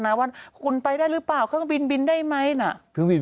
ว่าคุณไปได้หรือเปล่าเครื่องบินบินได้ไหมน่ะเครื่องบิน